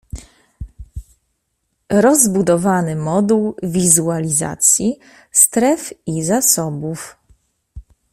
Rozbudowany moduł wizualizacji stref i zasobów